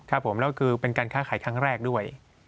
ครับผมแล้วคือเป็นการค้าขายครั้งแรกด้วย